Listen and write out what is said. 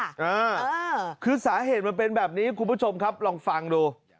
เออคือสาเหตุมันเป็นแบบนี้คุณผู้ชมครับลองฟังดู